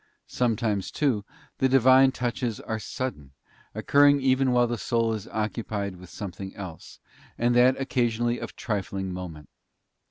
Sometimes, too, the Divine touches are sudden, occurring even while the soul is occupied with something else, and that occasionally of trifling moment.